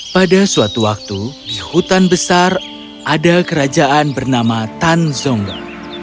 pada suatu waktu di hutan besar ada kerajaan bernama tan zonga